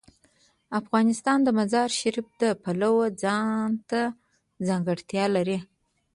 افغانستان د مزارشریف د پلوه ځانته ځانګړتیا لري.